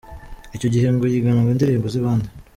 Icyo gihe ngo yiganaga indirimbo z’abandi.